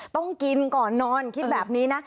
ต้องกินก่อนนอนคิดแบบนี้นะ